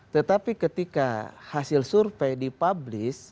tetapi ketika hasil survei di publis